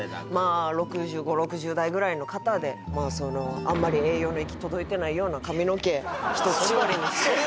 ６０５０６０代ぐらいの方であんまり栄養の行き届いてないような髪の毛１つ縛りにして。